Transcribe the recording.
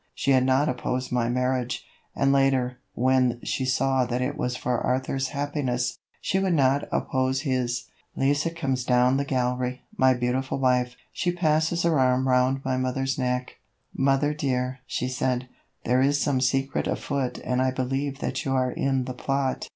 She had not opposed my marriage, and later, when she saw that it was for Arthur's happiness, she would not oppose his. Lise comes down the gallery, my beautiful wife. She passes her arm round my mother's neck. "Mother dear," she said, "there is some secret afoot and I believe that you are in the plot.